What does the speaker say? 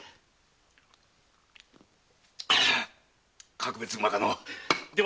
格別うまかのぅ。